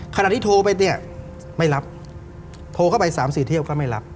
ขนาดที่โทรไปเนี่ยไม่รับโทรเข้าไปสามสี่เทียบก็ไม่รับ